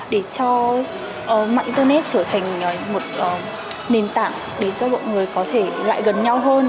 để cho mạng internet trở thành một nền tảng để cho bọn người có thể lại gần nhau hơn